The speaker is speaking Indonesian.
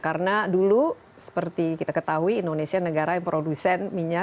karena dulu seperti kita ketahui indonesia negara yang produsen minyak